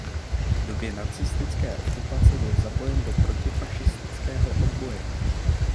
V době nacistické okupace byl zapojen do protifašistického odboje.